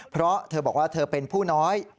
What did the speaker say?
เพราะเธอบอกว่าเธอเป็นผู้น้อย